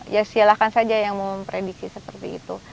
ya silahkan saja yang memprediksi seperti itu